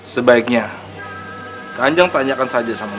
sebaiknya kanjeng tanyakan saja sama